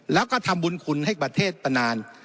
แล้วก็ทำบุญคุณให้ประเทศมานาน